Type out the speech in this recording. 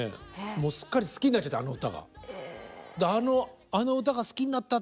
もうすっかり好きになっちゃってあの歌が。